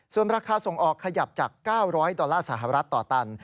ส่วนราคาส่งออกขยับจาก๙๐๐ดอลลาร์สหรัฐต่อตัน